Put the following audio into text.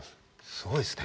すごいですね